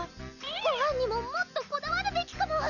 ごはんにももっとこだわるべきかも！